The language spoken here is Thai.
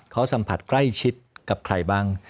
เขาสัมผัสใกล้ชิดกับใครบ้าง